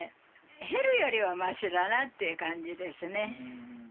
減るよりはましだなっていう感じですね。